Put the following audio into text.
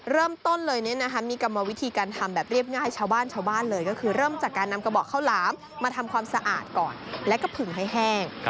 เริ่มต้นเลยมีกรรมวิธีการทำแบบเรียบง่ายชาวบ้านชาวบ้านเลยก็คือเริ่มจากการนำกระบอกข้าวหลามมาทำความสะอาดก่อนแล้วก็ผึงให้แห้ง